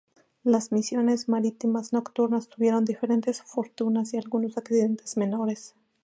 Las misiones marítimas nocturnas tuvieron diferentes fortunas y algunos accidentes menores.